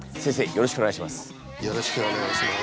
よろしくお願いします。